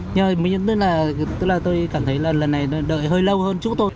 nhưng mà tôi cảm thấy lần này đợi hơi lâu hơn chút thôi